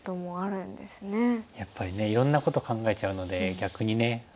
やっぱりねいろんなこと考えちゃうので逆にね。